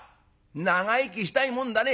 長生きしたいもんだね。